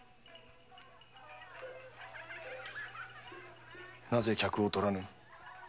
なぜ客をとらぬ？